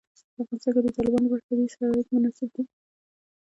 په افغانستان کې د تالابونه لپاره طبیعي شرایط مناسب دي.